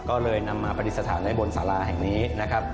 ก็เลยนำมาปฏิสถานไว้บนสาราแห่งนี้นะครับ